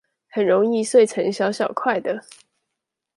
很容易碎成小小塊的